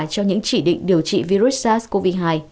cho những chỉ định điều trị virus sars cov hai